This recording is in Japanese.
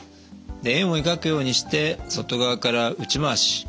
円を描くようにして外側から内回し。